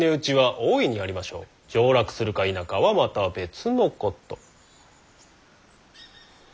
上洛するか否かはまた別のこと。